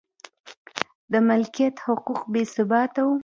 د مالکیت حقوق بې ثباته و